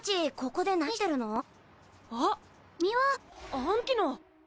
あん時の！